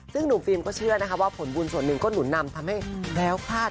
ซึ่งหนุ่มฟิล์มก็เชื่อนะคะว่าผลบุญส่วนหนึ่งก็หนุนนำทำให้แคล้วคลาด